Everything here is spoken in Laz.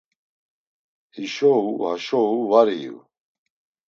Hişo u haşo u, var iyu.